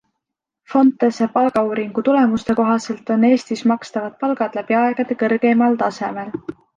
Fontese palgauuringu tulemuste kohaselt on Eestis makstavad palgad läbi aegade kõrgemail tasemel.